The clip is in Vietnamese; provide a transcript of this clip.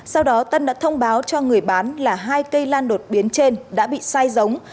sau đó tân đã thông báo cho người bán là hai cây lan đột biến trên đã bị sai giống